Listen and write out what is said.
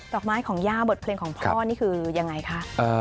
อกไม้ของย่าบทเพลงของพ่อนี่คือยังไงคะ